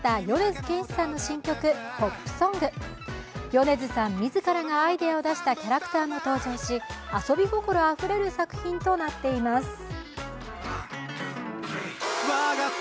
米津さん自らがアイデアを出したキャラクターも登場し遊び心あふれる作品となっています。